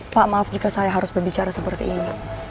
pak maaf jika saya harus berbicara seperti ini